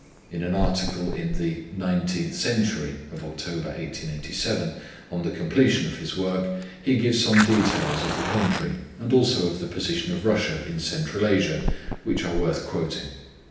In an article in the 'Nineteenth Century' of October, 1887, on the completion of his work, he gives some details of the country, and also of the position of Russia in Central Asia, which are worth quoting.